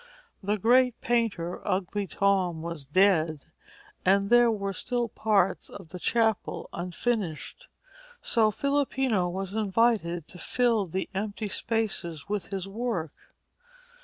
The great painter, Ugly Tom, was dead, and there were still parts of the chapel unfinished, so Filippino was invited to fill the empty spaces with his work.